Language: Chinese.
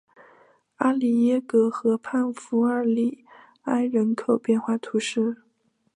阿里耶格河畔弗尔里埃人口变化图示